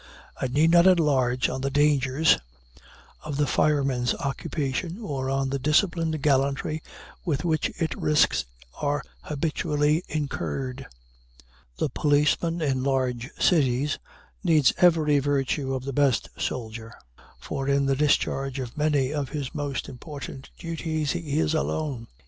I need not enlarge on the dangers of the fireman's occupation, or on the disciplined gallantry with which its risks are habitually incurred. The policeman in large cities needs every virtue of the best soldier, for in the discharge of many of his most important duties he is alone.